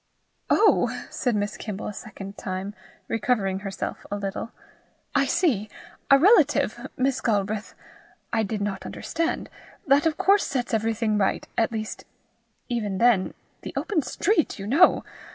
"Oh!" said Miss Kimble a second time, recovering herself a little, "I see! A relative, Miss Galbraith! I did not understand. That of course sets everything right at least even then the open street, you know!